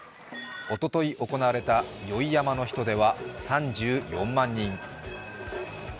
おととい行われた宵山の人出は３４万人。